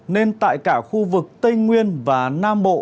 nên tại cả khu vực tây nguyên và nam bộ